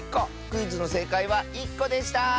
クイズのせいかいは１こでした！